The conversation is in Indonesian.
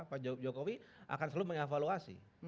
pak jokowi akan selalu mengevaluasi